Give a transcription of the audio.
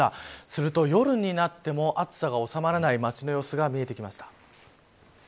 すると夜になっても暑さが収まらない街の様子が見えてきました。